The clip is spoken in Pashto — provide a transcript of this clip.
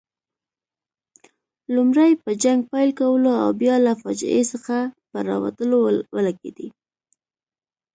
لومړی په جنګ پیل کولو او بیا له فاجعې څخه په راوتلو ولګېدې.